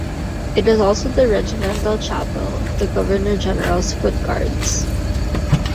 It is also the regimental chapel of the Governor General's Foot Guards.